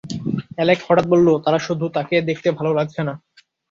Alec হঠাৎ বলল তার শুধু তাকিয়ে দেখতে ভালো লাগছে না।